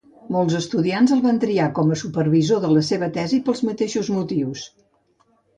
Molts estudiants el van triar com a supervisor de la seva tesi pels mateixos motius.